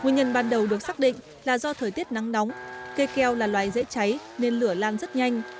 nguyên nhân ban đầu được xác định là do thời tiết nắng nóng kê keo là loài dễ cháy nên lửa lan rất nhanh